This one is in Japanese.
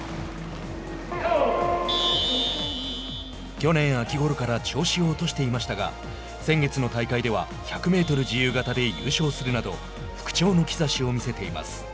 去年秋ごろから調子を落としていましたが先月の大会では１００メートル自由形で優勝するなど復調の兆しを見せています。